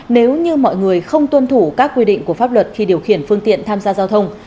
nếu như mọi người không tuân thủ các quy định của pháp luật khi điều khiển phương tiện tham gia giao thông